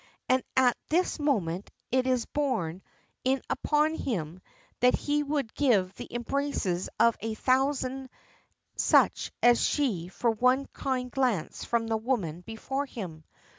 And at this moment it is borne in upon him that he would give the embraces of a thousand such as she for one kind glance from the woman before him.